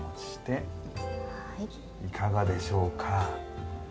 いかがでしょうか。